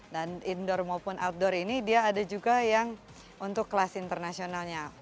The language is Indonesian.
dan indoor maupun outdoor ini dia ada juga yang untuk kelas internasionalnya